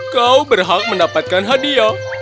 kau berhak mendapatkan hadiah